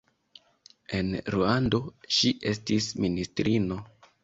En Ruando ŝi estis ministrino.